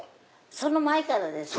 その前からですよ。